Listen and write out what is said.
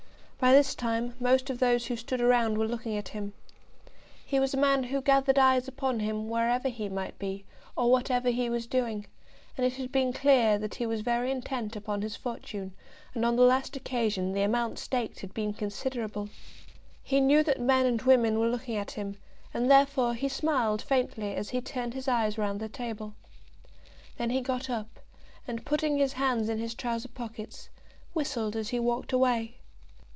By this time most of those who stood around were looking at him. He was a man who gathered eyes upon him wherever he might be, or whatever he was doing; and it had been clear that he was very intent upon his fortune, and on the last occasion the amount staked had been considerable. He knew that men and women were looking at him, and therefore he smiled faintly as he turned his eyes round the table. Then he got up, and, putting his hands in his trousers pockets, whistled as he walked away.